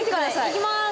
いきます。